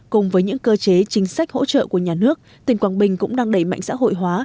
cùng với những cơ chế chính sách hỗ trợ của nhà nước tỉnh quảng bình cũng đang đẩy mạnh xã hội hóa